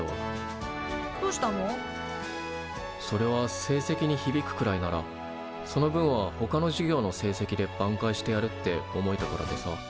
それは成績にひびくくらいならその分はほかの授業の成績で挽回してやるって思えたからでさ。